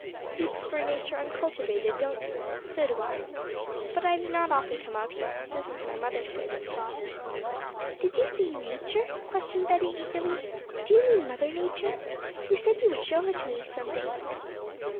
'You prefer nature uncultivated, don't you? So do I. But I do not often come out here. This is my mother's favourite spot.' 'Did you say "Nature"?' questioned betty eagerly. 'Do you mean Mother Nature? You said you would show her to me one day.'